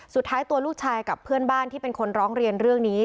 สุดท้ายตัวลูกชายกับเพื่อนบ้านที่เป็นคนร้องเรียนเรื่องนี้